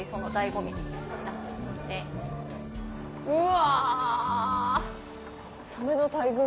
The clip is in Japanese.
うわ！